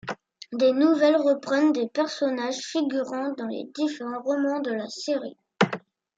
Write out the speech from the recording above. Les nouvelles reprennent des personnages figurant dans les différents romans de la série.